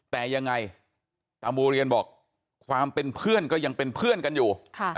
แต่ยังไงตามูเรียนบอกความเป็นเพื่อนก็ยังเป็นเพื่อนกันอยู่